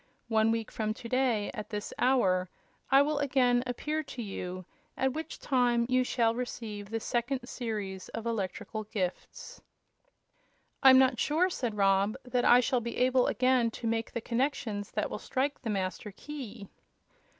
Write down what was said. One week from to day, at this hour, I will again appear to you, at which time you shall receive the second series of electrical gifts." "I'm not sure," said Rob, "that I shall be able again to make the connections that will strike the Master Key."